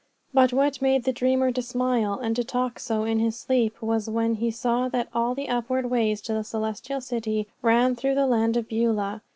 But what made the dreamer to smile and to talk so in his sleep was when he saw that all the upward ways to the Celestial City ran through the land of Beulah.